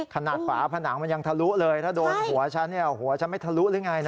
ฝาผนังมันยังทะลุเลยถ้าโดนหัวฉันหัวฉันไม่ทะลุหรือไง